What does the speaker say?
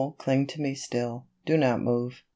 cling to me still ! Do not move !